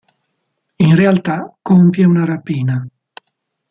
In realtà compie una rapina.